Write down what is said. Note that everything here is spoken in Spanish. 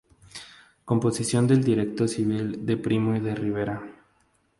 Composición del Directorio civil de Primo de Rivera